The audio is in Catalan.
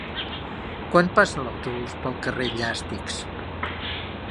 Quan passa l'autobús pel carrer Llàstics?